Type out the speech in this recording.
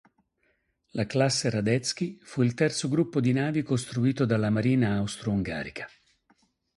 La classe Radetzky fu il terzo gruppo di navi costituito dalla marina austro-ungarica.